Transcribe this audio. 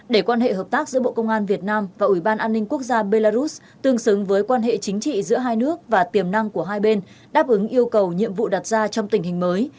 để quan hệ hợp tác giữa bộ công an việt nam và ủy ban an ninh quốc gia belarus tương xứng với quan hệ chính trị giữa hai nước và tiềm năng của hai bên đáp ứng yêu cầu nhiệm vụ đặt ra trong tình hình mới